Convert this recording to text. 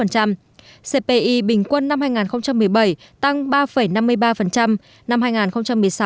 cpi bình quân năm hai nghìn một mươi bảy tăng ba năm mươi ba năm hai nghìn một mươi sáu tăng hai sáu mươi sáu